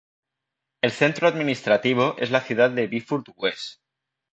El centro administrativo es la ciudad de Beaufort-Wes.